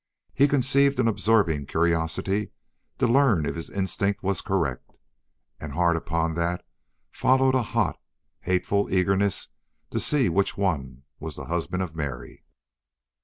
He conceived an absorbing curiosity to learn if his instinct was correct; and hard upon that followed a hot, hateful eagerness to see which one was the husband of Mary.